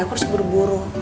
aku harus buru buru